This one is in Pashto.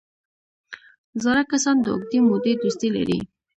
زاړه کسان د اوږدې مودې دوستي لري